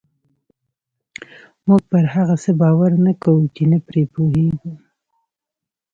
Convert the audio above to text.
موږ پر هغه څه باور نه کوو چې نه پرې پوهېږو.